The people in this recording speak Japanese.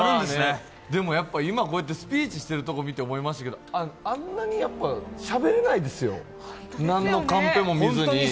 でも今、こうやってスピーチをしているところを見て思いましたけれどもあんなにしゃべれないですよ、なんのカンペも見ずに。